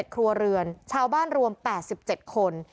ครัวเรือนชาวบ้านรวม๘๗คน